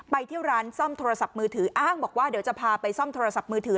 ที่ร้านซ่อมโทรศัพท์มือถืออ้างบอกว่าเดี๋ยวจะพาไปซ่อมโทรศัพท์มือถือ